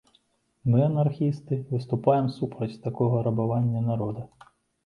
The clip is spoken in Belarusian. Мы, анархісты, выступаем супраць такога рабавання народа.